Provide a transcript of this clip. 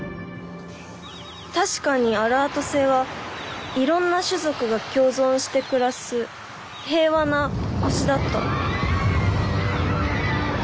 確かにアラート星はいろんな種族が共存して暮らす平和な星だった」。